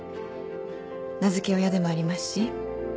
「名づけ親でもありますし」